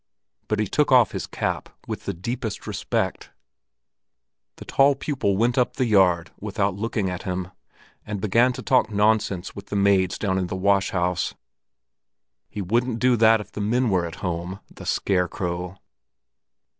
But he took off his cap with the deepest respect. The tall pupil went up the yard without looking at him, and began to talk nonsense with the maids down in the wash house. He wouldn't do that if the men were at home, the scarecrow!